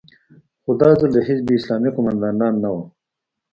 خو دا ځل د حزب اسلامي قومندانان نه وو.